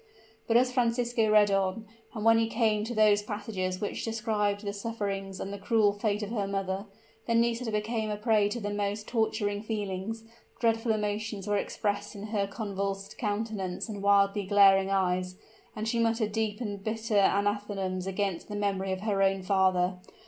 But as Francisco read on, and when he came to those passages which described the sufferings and the cruel fate of her mother, then Nisida became a prey to the most torturing feelings dreadful emotions were expressed by her convulsed countenance and wildly glaring eyes and she muttered deep and bitter anathemas against the memory of her own father.